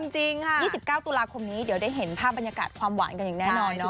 จริงจะได้เห็นภาพบรรยากาศความหวานกัน